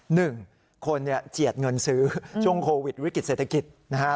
หนึ่งคนเนี่ยเจียดเงินซื้อช่วงโควิดวิกฤติเศรษฐกิจนะฮะ